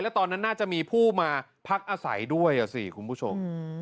แล้วตอนนั้นน่าจะมีผู้มาพักอาศัยด้วยอ่ะสิคุณผู้ชม